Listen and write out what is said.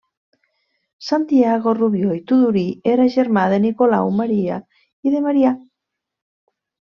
Santiago Rubió i Tudurí era germà de Nicolau Maria i de Marià.